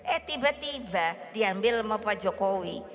eh tiba tiba diambil sama pak jokowi